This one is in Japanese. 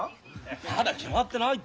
まだ決まってないって！